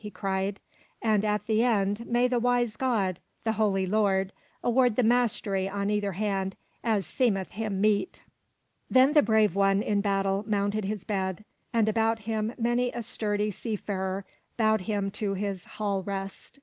he cried. "And at the end may the wise God, the Holy Lord, award the mastery on either hand as seemeth him meet." Then the brave one in battle mounted his bed, and about him many a hardy sea farer bowed him to his hall rest.